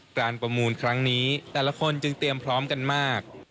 ประมูลครั้งนี้แต่ละคนจึงเตรียมพร้อมกันมาก